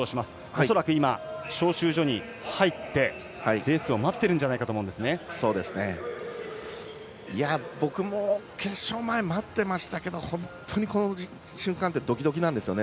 恐らく招集所に入ってレースを待っているんじゃないかと僕も決勝前待ってましたけど本当にこの瞬間ってドキドキなんですよね。